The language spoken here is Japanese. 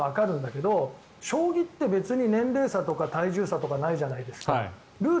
すごいのがわかるんだけど将棋って別に年齢差、体形差がないじゃないですか。